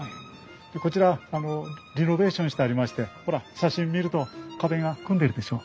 でこちらリノベーションしてありましてほら写真見ると壁が組んでるでしょ。